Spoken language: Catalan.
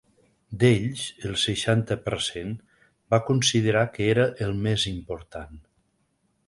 D'ells, el seixanta per cent va considerar que era el més important.